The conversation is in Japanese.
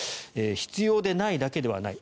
必要でないだけではない。